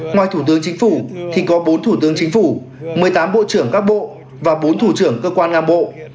ngoài thủ tướng chính phủ thì có bốn thủ tướng chính phủ một mươi tám bộ trưởng các bộ và bốn thủ trưởng cơ quan ngang bộ